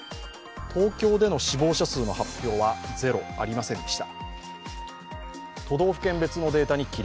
東京での死亡者数の発表はゼロ、ありませんでした。